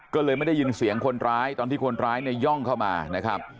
ก็เลยไม่ได้ยินเสียงคนร้ายตอนที่คนร้ายเนี่ยย่องเข้ามานะครับ